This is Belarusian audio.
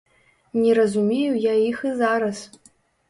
Не разумею я іх і зараз.